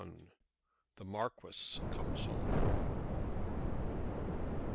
THE MARQUIS COMES HOME.